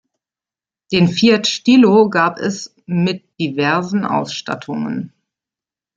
Den Fiat Stilo gab es mit diversen Ausstattungen.